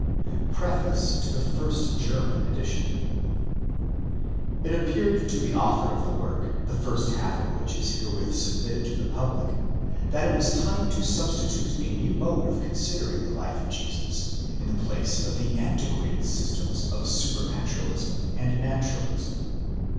PREFACE TO THE FIRST GERMAN EDITION, ΤΊ appeared to the author of the work, the first half of which is herewith sub mitted to the public, that it was time to substitute a new mode of considering the life of Jesus, in the place of the antiquated systems of supranaturalism and naturalism.